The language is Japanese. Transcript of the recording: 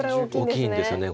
大きいんですよね